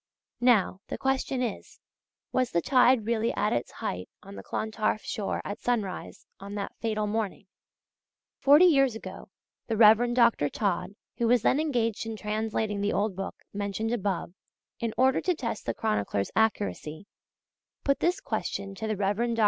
Now, the question is, was the tide really at its height on the Clontarf shore at sunrise on that fatal morning? Forty years ago, the Rev. Dr. Todd, who was then engaged in translating the old book mentioned above, in order to test the chronicler's accuracy, put this question to the Rev. Dr.